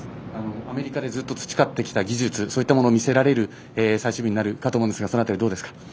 アメリカでずっと培ってきた技術そういったものを見せられる最終日になるかと思いますがその辺りはどうですか？